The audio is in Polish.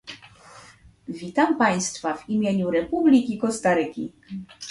Witam państwa w imieniu Republiki Kostaryki